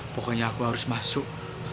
pokoknya aku harus masuk